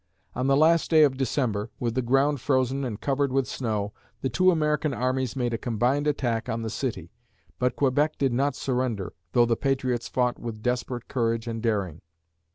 On the last day of December, with the ground frozen and covered with snow, the two American armies made a combined attack on the city; but Quebec did not surrender, though the patriots fought with desperate courage and daring.